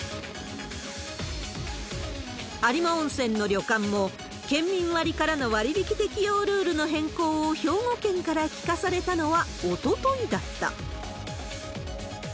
有馬温泉の旅館も、県民割からの割引適用ルールの変更を兵庫県から聞かされたのはおとといだった。